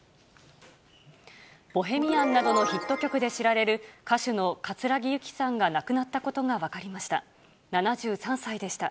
ボヘミアンなどのヒット曲で知られる、歌手の葛城ユキさんが亡くなったことが分かりました。